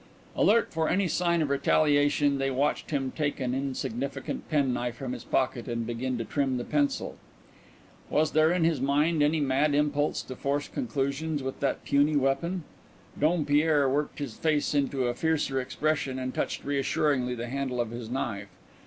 Alert for any sign of retaliation, they watched him take an insignificant penknife from his pocket and begin to trim the pencil. Was there in his mind any mad impulse to force conclusions with that puny weapon? Dompierre worked his face into a fiercer expression and touched reassuringly the handle of his knife.